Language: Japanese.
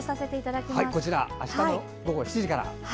あしたの午後７時から。